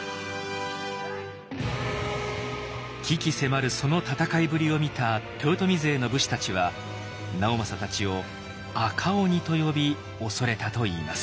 鬼気迫るその戦いぶりを見た豊臣勢の武士たちは直政たちを「あかおに」と呼び恐れたといいます。